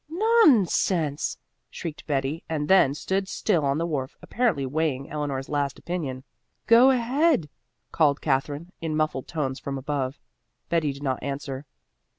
"Non sense!" shrieked Betty and then stood still on the wharf, apparently weighing Eleanor's last opinion. "Go ahead," called Katherine in muffled tones from above. Betty did not answer.